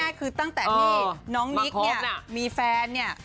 คือตั้งแต่ที่น้องนิกเนี่ยมีแฟนเนี่ย